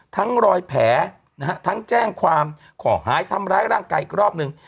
รอยแผลนะฮะทั้งแจ้งความขอหายทำร้ายร่างกายอีกรอบหนึ่ง